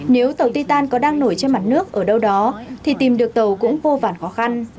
nếu tàu ti tàn có đang nổi trên mặt nước ở đâu đó thì tìm được tàu cũng vô vản khó khăn